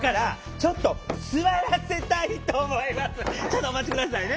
ちょっとお待ち下さいね。